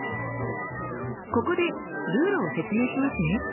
ここでルールを説明しますね。